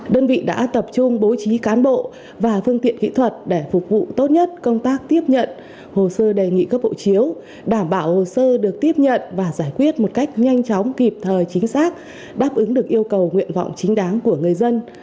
đơn vị đã tập trung bố trí cán bộ và phương tiện kỹ thuật để phục vụ tốt nhất công tác tiếp nhận hồ sơ đề nghị cấp hộ chiếu đảm bảo hồ sơ được tiếp nhận và giải quyết một cách nhanh chóng kịp thời chính xác đáp ứng được yêu cầu nguyện vọng chính đáng của người dân